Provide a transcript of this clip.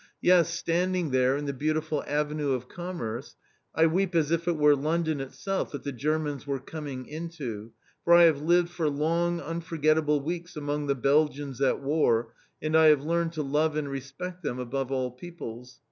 Yes, standing there in the beautiful Avenue de Commerce, I weep as if it were London itself that the Germans were coming into, for I have lived for long unforgettable weeks among the Belgians at war, and I have learned to love and respect them above all peoples.